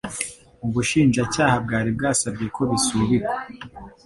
ubushinjacyaha bwari bwasabye ko bisubikwa